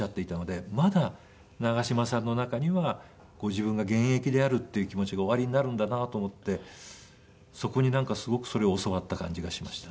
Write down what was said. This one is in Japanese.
まだ長嶋さんの中にはご自分が現役であるっていう気持ちがおありになるんだなと思ってそこにすごくそれを教わった感じがしました。